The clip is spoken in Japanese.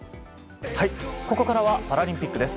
ここからはパラリンピックです。